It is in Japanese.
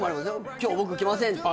「今日僕来ません」とか。